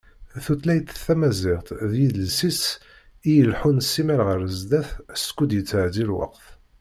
Tutlayt tamaziɣt d yidles-is i ileḥḥun simmal ɣer sdat skud yettɛeddi lweqt.